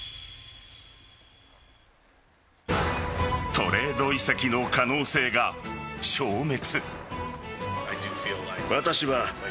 トレード移籍の可能性が消滅。